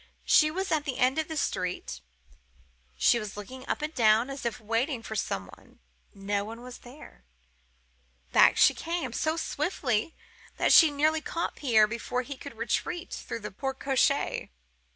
She was at the end of the street. She looked up and down, as if waiting for some one. No one was there. Back she came, so swiftly that she nearly caught Pierre before he could retreat through the porte cochere.